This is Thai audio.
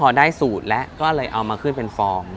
พอได้สูตรแล้วก็เลยเอามาขึ้นเป็นฟอง